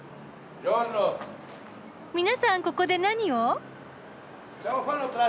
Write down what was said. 皆さんここで何を？